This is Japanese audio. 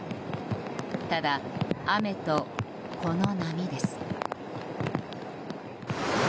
ただ雨と、この波です。